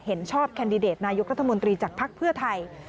เห็นชอบแคนดิเดตนายกรัฐมนตรีจากภักดิ์เพื่อไทย